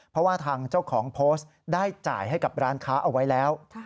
เพราะว่าทางเจ้าของโพสต์ได้จ่ายให้กับร้านค้าเอาไว้แล้ว